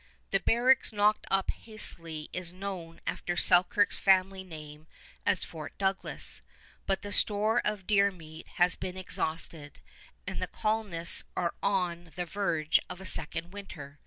The barracks knocked up hastily is known after Selkirk's family name as Fort Douglas; but the store of deer meat has been exhausted, and the colonists are on the verge of a second winter.